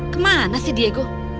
kemana sih diego